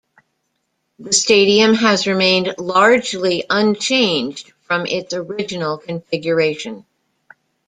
The stadium has remained largely unchanged from its original configuration.